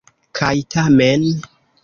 Kaj tamen.